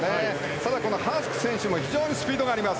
ただ、ハスク選手も非常にスピードがあります。